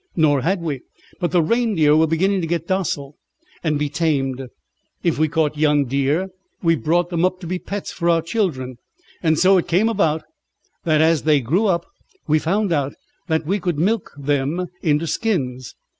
"Nor had we, but the reindeer were beginning to get docile and be tamed. If we caught young deer we brought them up to be pets for our children. And so it came about that as they grew up we found out that we could milk them into skins.